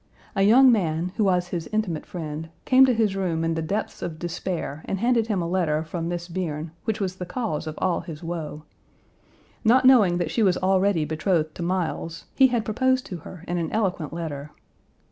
A young man, who was his intimate friend, came to his room in the depths of despair and handed him a letter from Miss Bierne, which was the cause of all his woe. Not knowing that she was already betrothed to Miles, he had proposed to her in an eloquent letter.